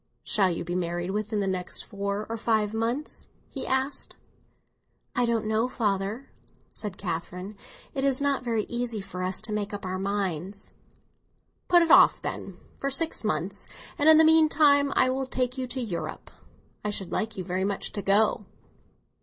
"Shall you be married within the next four or five months?" he asked. "I don't know, father," said Catherine. "It is not very easy for us to make up our minds." "Put it off, then, for six months, and in the meantime I will take you to Europe. I should like you very much to go."